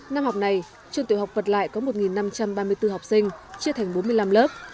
năm học này trường tiểu học vật lại có một năm trăm ba mươi bốn học sinh chia thành bốn mươi năm lớp